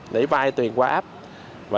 để vay tiền qua app